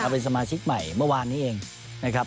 เป็นสมาชิกใหม่เมื่อวานนี้เองนะครับ